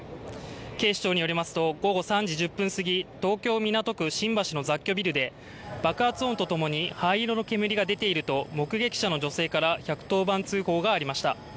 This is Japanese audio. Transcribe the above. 警視庁によりますと、午後３時１０分過ぎ、東京・港区新橋の雑居ビルで爆発音とともに灰色の煙が出ていると目撃者の女性から１１０番通報がありました。